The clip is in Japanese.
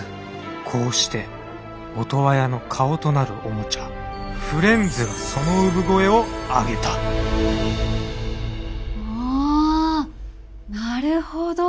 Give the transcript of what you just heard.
こうしてオトワヤの顔となるおもちゃフレンズがその産声を上げたおなるほど。